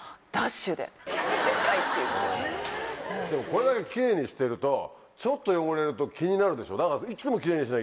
これだけキレイにしてるとちょっと汚れると気になるでしょ？